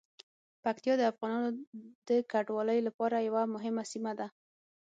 پکتیا د افغانانو د کډوالۍ لپاره یوه مهمه سیمه ده.